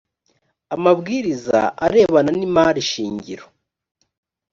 amabwiriza arebana n imari shingiro